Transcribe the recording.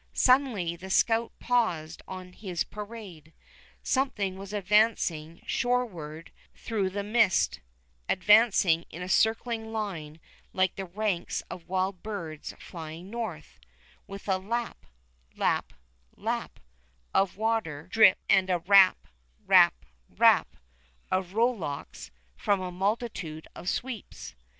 Suddenly the scout paused on his parade. Something was advancing shoreward through the mist, advancing in a circling line like the ranks of wild birds flying north, with a lap lap lap of water drip and a rap rap rap of rowlocks from a multitude of sweeps.